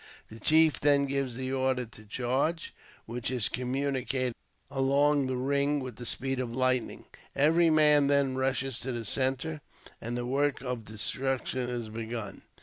The chief then gives the order to charge, which is communicated along the ring with the speed of lightning ; every man then rushes to the centre, and the work of destruction is begun.